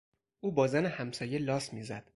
او با زن همسایه لاس میزد.